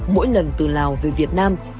mỗi lần từ lào về việt nam